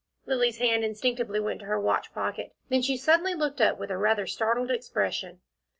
Lilly's hand instinctively went to her watch pocket then she suddenly looked up with a rather startled expression.